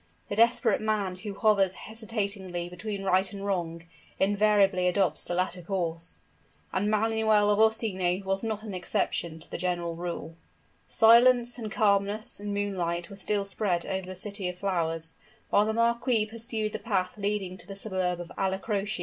The desperate man who hovers hesitatingly between right and wrong, invariably adopts the latter course. And Manuel of Orsini was not an exception to the general rule. Silence, and calmness, and moonlight were still spread over the City of Flowers, while the marquis pursued the path leading to the suburb of Alla Droce.